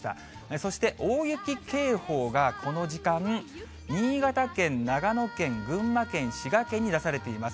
そして大雪警報がこの時間、新潟県、長野県、群馬県、滋賀県に出されています。